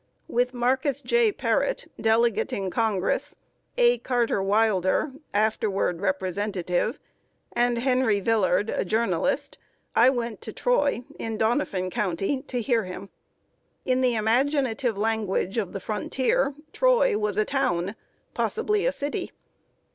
With Marcus J. Parrott, Delegate in Congress, A. Carter Wilder, afterward Representative, and Henry Villard, a Journalist, I went to Troy, in Doniphan County, to hear him. In the imaginative language of the frontier, Troy was a "town" possibly a city.